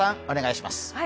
お願いします。